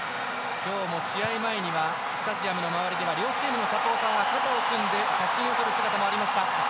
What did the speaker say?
今日も試合前にはスタジアムの周りでは両チームのサポーターが肩を組んで写真を撮る姿もありました。